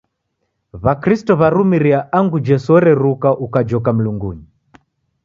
W'akristo w'arumiria angu Jesu oreruka ukajoka Mlungunyi.